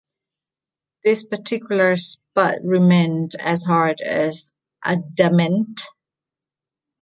This particular spud remained as hard as adamant.